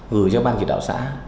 gửi cho ban chỉ đạo xã